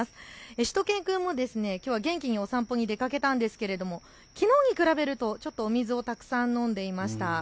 しゅと犬くんもきょうは元気にお散歩に出かけたんですがきのうに比べるとちょっとお水をたくさん飲んでいました。